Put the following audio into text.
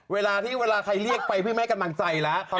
เวลาที่เวลาใครเรียกไปพี่ไม่ให้กำลังใจแล้ว